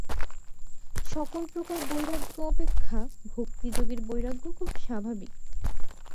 সকল প্রকার বৈরাগ্য অপেক্ষা ভক্তিযোগীর বৈরাগ্য খুব স্বাভাবিক।